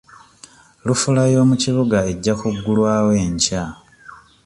Lufula y'omu kibuga ejja kuggulwawo enkya.